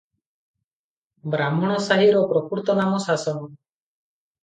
ବ୍ରାହ୍ମଣସାହିର ପ୍ରକୃତ ନାମ ଶାସନ ।